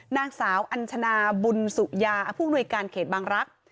นางสาวอัญชนาบุญสุยาผู้อำนวยการเขตบางรักษ์